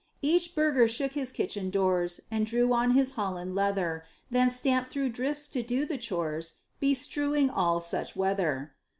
Each burgher shook his kitchen doors, Drew on his Holland leather, Then stamped through drifts to do the chores, Beshrewing all such weather.